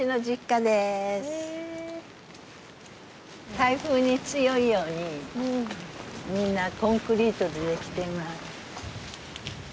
台風に強いようにみんなコンクリートでできています。